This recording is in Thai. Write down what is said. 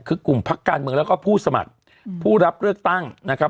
คือกลุ่มพักการเมืองแล้วก็ผู้สมัครผู้รับเลือกตั้งนะครับ